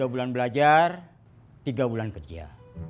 tiga bulan belajar tiga bulan kerja